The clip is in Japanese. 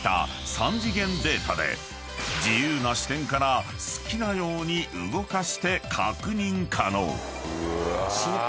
３次元データで自由な視点から好きなように動かして確認可能］